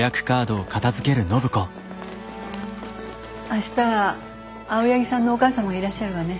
明日は青柳さんのお母様がいらっしゃるわね。